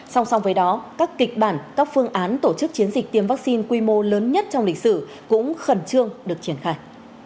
song song với đó các kịch bản các phương án tổ chức chiến dịch tiêm vaccine quy mô lớn nhất trong lịch sử cũng khẩn trương được triển khai